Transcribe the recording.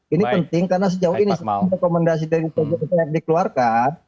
ini penting karena sejauh ini rekomendasi dari tgpf dikeluarkan